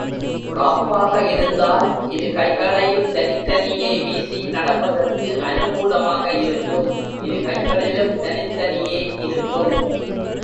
காப்பாக இருந்தால் இரு கைகளையும் தனித்தனியே வீசி நடப்பதற்கு அநுகூலமாக இருக்கும் இரு கைகளிலும் தனித்தனியே இருக்கும்.